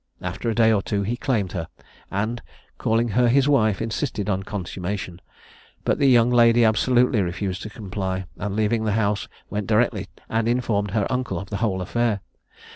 After a day or two he claimed her, and, calling her his wife, insisted on consummation; but the young lady absolutely refused to comply, and leaving the house, went directly and informed her uncle of the whole affair.